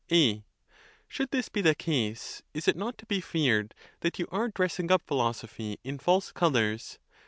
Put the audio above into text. A. Should this be the case, is it not to be feared that a. on ON BEARING PAIN. 69 you are dressing up philosophy in false colors?